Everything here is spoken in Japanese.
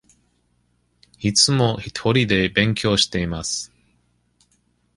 いつもひとりで勉強しています。